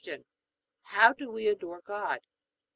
How do we adore God?